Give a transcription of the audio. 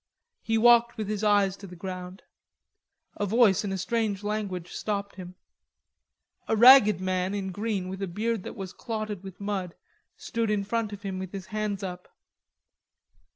He walked with his eyes to the ground. A voice in a strange language stopped him. A ragged man in green with a beard that was clotted with mud stood in front of him with his hands up.